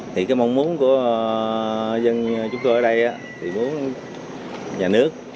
thì cái mong muốn của dân chúng tôi ở đây thì bố nhà nước